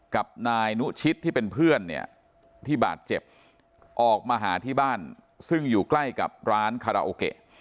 กับนายนุชิตที่เป็นเพื่อนเนี่ยที่บาดเจ็บออกมาหาที่บ้านซึ่งอยู่ใกล้กับร้านคาราโอเกะ